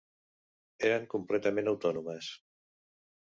Eren completament autònomes.